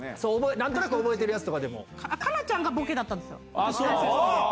なんとなく覚えてるやつとか香菜ちゃんがボケだったんですよ。